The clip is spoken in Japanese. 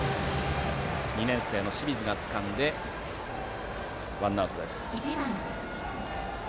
２年生の清水がつかんでワンアウトです。